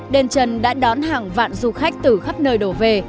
đền trần đã đón hàng vạn du khách từ khắp nơi đổ về